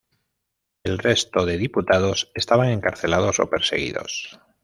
El resto de diputados estaban encarcelados o perseguidos.